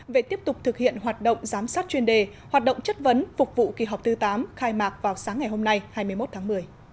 về tiếp tục thực hiện hoạt động giám sát chuyên đề hoạt động chất vấn phục vụ kỳ họp thứ tám khai mạc vào sáng ngày hôm nay hai mươi một tháng một mươi